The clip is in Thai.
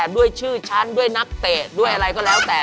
ด้วยชื่อฉันด้วยนักเตะด้วยอะไรก็แล้วแต่